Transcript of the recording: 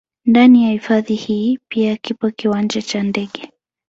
Ndani ya hifadhi hii pia kipo kiwanja cha ndege